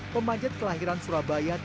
pemajat kelahiran surabaya tiga puluh satu